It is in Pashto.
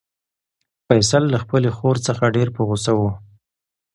فیصل له خپلې خور څخه ډېر په غوسه و.